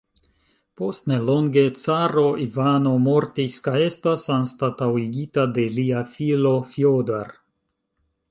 Post nelonge caro Ivano mortis kaj estas anstataŭigita de lia filo Fjodor.